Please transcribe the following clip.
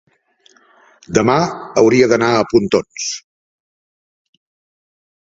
demà hauria d'anar a Pontons.